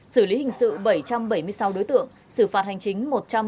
xử lý hình sự bảy trăm bảy mươi sáu đối tượng xử phạt hành chính một trăm một mươi sáu